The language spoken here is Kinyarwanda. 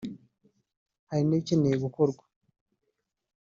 hari n'ibikeneye gukorwa